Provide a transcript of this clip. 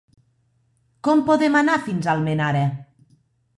Com podem anar fins a Almenara?